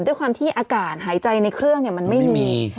ด้วยความที่อากาศหายใจในเครื่องมันไม่มี